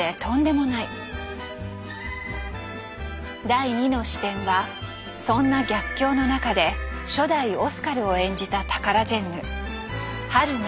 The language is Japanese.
第２の視点はそんな逆境の中で初代オスカルを演じたタカラジェンヌ榛名由梨。